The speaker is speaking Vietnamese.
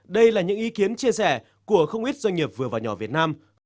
đây là những ý kiến chia sẻ của không ít doanh nghiệp vừa và nhỏ việt nam